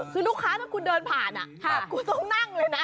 คือลูกค้าถ้าคุณเดินผ่านคุณต้องนั่งเลยนะ